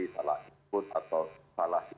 salah input atau salah